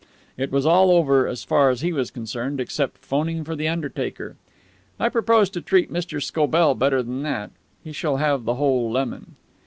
It was all over, as far as he was concerned, except 'phoning for the undertaker. I propose to treat Mr. Scobell better than that. He shall have a whole lemon."